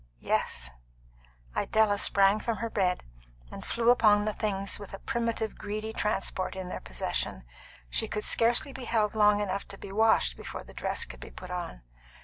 "Yes." Idella sprang from her bed, and flew upon the things with a primitive, greedy transport in their possession. She could scarcely be held long enough to be washed before the dress could be put on.